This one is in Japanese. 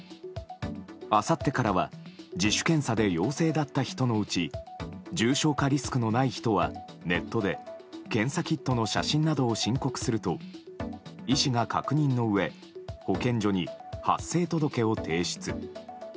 あさってからは自主検査で陽性だった人のうち重症化リスクのない人はネットで検査キットの写真などを申告すると医師が確認のうえ保健所に発生届を提出。